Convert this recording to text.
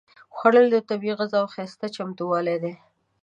خوړل د طبیعي غذاوو ښايسته چمتووالی دی